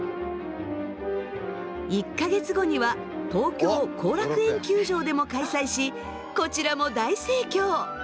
１か月後には東京後楽園球場でも開催しこちらも大盛況。